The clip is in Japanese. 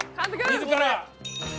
自ら！